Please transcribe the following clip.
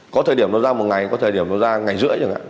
có thời điểm nó ra một ngày có thời điểm nó ra ngày rưỡi chẳng hạn